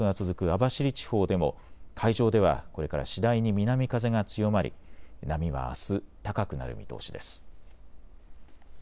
網走地方でも海上ではこれから次第に南風が強まり波はあす高くなる見通しです。